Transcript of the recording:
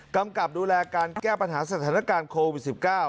กำกับดูแลการแก้ปัญหาสถานการณ์โควิด๑๙